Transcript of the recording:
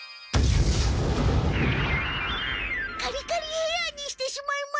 カリカリヘアーにしてしまいました。